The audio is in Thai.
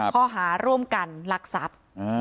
ข้อหาร่วมกันลักทรัพย์